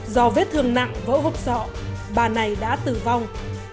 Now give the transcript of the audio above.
do vết thương nặng vỡ hộp sọ bà này đã tử vong